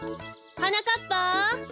・はなかっぱ！